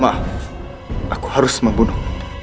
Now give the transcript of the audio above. maaf aku harus membunuh